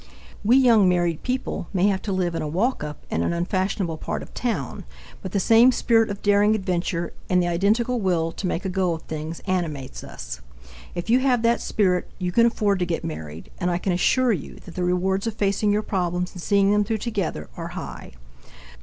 We young married people may have to live in a walk up in an unfashionable part of town, but the same spirit of daring adventure and the identical will to make a go of things animates us. If you have that spirit, you can afford to get married, and I can assure you that the rewards of facing your problems and seeing them through together are high.